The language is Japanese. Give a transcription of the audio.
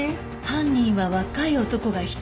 犯人は若い男が１人。